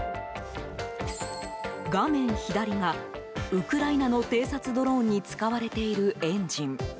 画面左がウクライナの偵察ドローンに使われているエンジン。